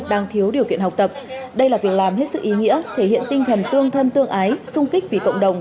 đang thiếu điều kiện học tập đây là việc làm hết sức ý nghĩa thể hiện tinh thần tương thân tương ái sung kích vì cộng đồng